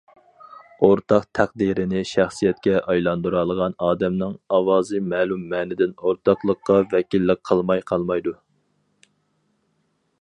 ئورتاق تەقدىرنى شەخسىيىتىگە ئايلاندۇرالىغان ئادەمنىڭ ئاۋازى مەلۇم مەنىدىن ئورتاقلىققا ۋەكىللىك قىلماي قالمايدۇ.